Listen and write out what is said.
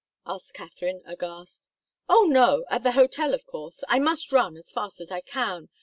asked Katharine, aghast. "Oh, no at the hotel, of course. I must run as fast as I can.